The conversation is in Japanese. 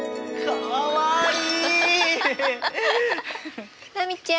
かわいい。